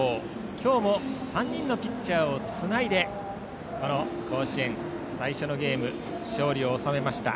今日も３人のピッチャーをつないでこの甲子園、最初のゲーム勝利を収めました。